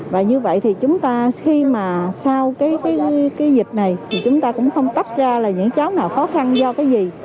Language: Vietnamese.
và như vậy thì chúng ta khi mà sau cái dịch này thì chúng ta cũng không tách ra là những cháu nào khó khăn do cái gì